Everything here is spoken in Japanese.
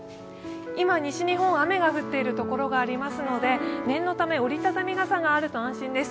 今、西日本、雨が降っているところがありますので念のため折り畳み傘があると安心です。